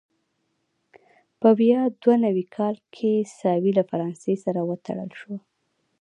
په ویا دوه نوي کال کې ساوې له فرانسې سره وتړل شوه.